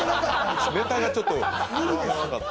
ネタがちょっと合わなかった。